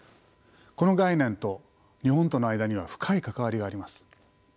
この概念と日本との間には深い関わりがあります。